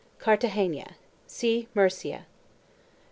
3 CARTAGENA. See MURCIA.